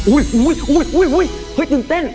อุ๊ยตื่นเต้น